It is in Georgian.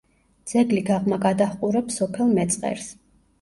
ძეგლი გაღმა გადაჰყურებს სოფელ მეწყერს.